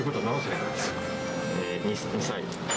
２歳。